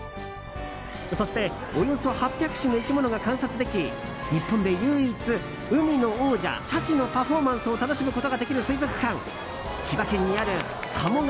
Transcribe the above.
そして、およそ８００種の生き物が観察でき日本で唯一、海の王者シャチのパフォーマンスを楽しむことができる水族館千葉県にある鴨川